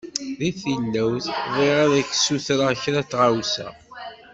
Di tilawt, bɣiɣ ad k-d-ssutreɣ kra tɣawsa.